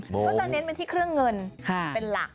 ก็จะเน้นไปที่เครื่องเงินเป็นหลัก